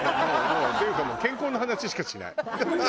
っていうかもう健康の話しかしない。